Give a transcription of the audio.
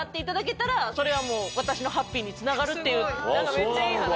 めっちゃいい話。